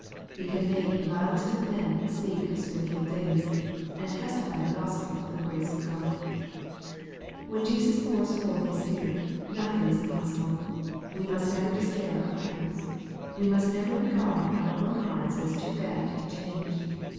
He can make the vilest of men speak of spirit ual things, and testify the Gospel of the grace of God. When Jesus pours forth His Spirit, nothing is impos sible. We must never despair of others. We must never regard our own hearts as too bad to be changed.